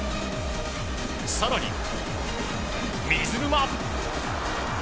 更に、水沼。